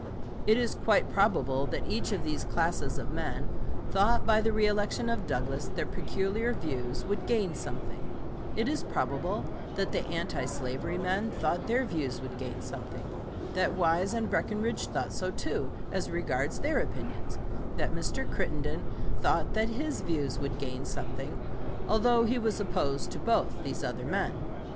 It is quite probable that each of these classes of men thought, by the reëlection of Douglas, their peculiar views would gain something; it is probable that the anti slavery men thought their views would gain something; that Wise and Breckinridge thought so too, as regards their opinions; that Mr. Crittenden thought that his views would gain something although he was opposed to both these other men.